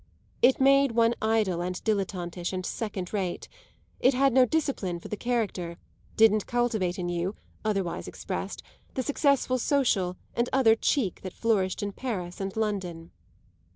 It made one idle and dilettantish and second rate; it had no discipline for the character, didn't cultivate in you, otherwise expressed, the successful social and other "cheek" that flourished in Paris and London.